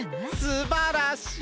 すばらしい！